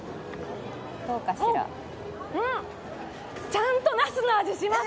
ちゃんと、なすの味します。